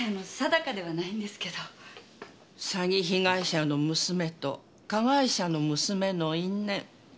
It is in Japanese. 詐欺被害者の娘と加害者の娘の因縁。